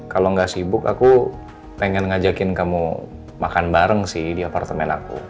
kalau nggak sibuk aku pengen ngajakin kamu makan bareng sih di apartemen aku